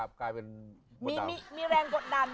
มีแรงกดดัน